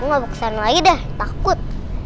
aku gak pukulan lagi dah takut